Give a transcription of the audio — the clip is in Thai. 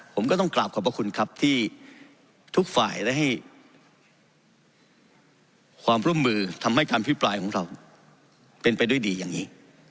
ผมก็ต้องกราบขอบพระคุณครับที่ทุกฝ่ายได้ให้ความร่วมมือทำให้การพิปรายของเราเป็นไปด้วยดีอย่างนี้